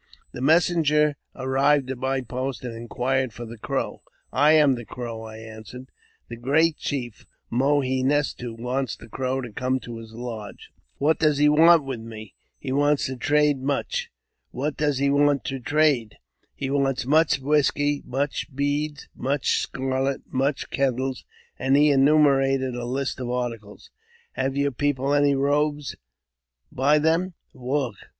The messenger arrived at my post, and inquired for the Crow. " I am the Crow," I answered. " The great chief, Mo he nes to, wants the Crow to come to his lodge." " What does he want with me ?"" He wants to trade much." " What does he want to trade ?"" He wants much whisky, much beads, much scarlet, much kettles," and he enumerated a list of articles. " Have your people any rpbes by them ?" AUTOBIOGRAPHY OF JAMES P. BECKWOUBTH.